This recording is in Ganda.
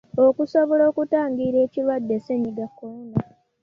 Okusobola okutangira ekirwadde Ssennyiga Corona.